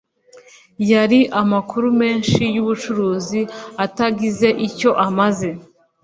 yari amakuru menshi y'ubucucu atagize icyo amaze